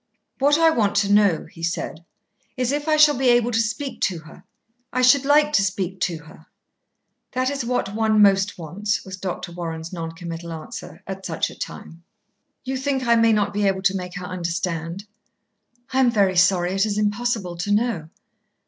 "What I want to know," he said, "is, if I shall be able to speak to her. I should like to speak to her." "That is what one most wants," was Dr. Warren's non committal answer, "at such a time." "You think I may not be able to make her understand?" "I am very sorry. It is impossible to know."